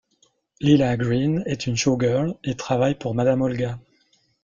Lila Green est une showgirl et travaille pour Madame Olga.